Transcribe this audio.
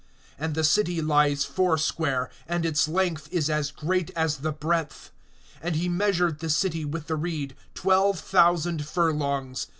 (16)And the city lies foursquare, and its length is as great as the breadth. And he measured the city with the reed, twelve thousand furlongs.